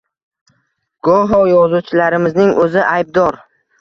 Goho yozuvchilarimizning o‘zi aybdor